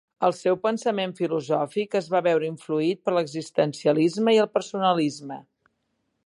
El seu pensament filosòfic es va veure influït per l'existencialisme i el personalisme.